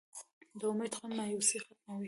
د امید خوند مایوسي ختموي.